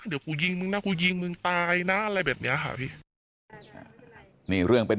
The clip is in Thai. เดี๋ยวกูยิงมึงนะกูยิงมึงตายนะอะไรแบบนี้ค่ะพี่นี่เรื่องเป็น